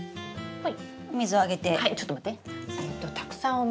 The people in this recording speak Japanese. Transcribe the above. はい。